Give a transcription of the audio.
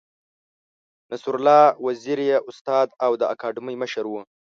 نصرالله وزیر یې استاد او د اکاډمۍ مشر و.